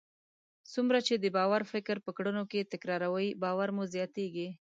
څومره چې د باور فکر په کړنو کې تکراروئ، باور مو زیاتیږي.